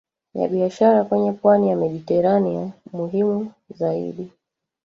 ya biashara kwenye pwani ya Mediteranea Muhimu zaidi